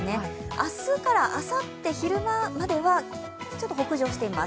明日からあさって昼間などはちょっと北上しています。